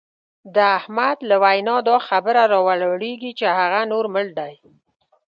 د احمد له وینا دا خبره را ولاړېږي چې هغه نور مړ دی.